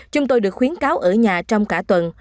chúng tôi được khuyến cáo ở nhà trong cả tuần